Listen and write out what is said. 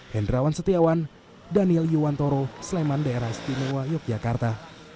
hendrawan setiawan daniel yuwantoro sleman daerah istimewa yogyakarta